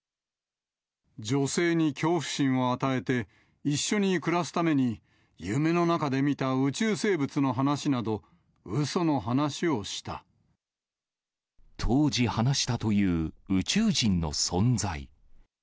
女性に恐怖心を与えて、一緒に暮らすために夢の中で見た宇宙生物の話など、うその話をし当時、話したという宇宙人の存在。